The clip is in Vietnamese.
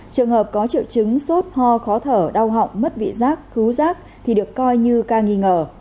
trường hợp có triệu chứng sốt ho khó thở đau họng mất vị rác khú rác thì được coi như ca nghi ngờ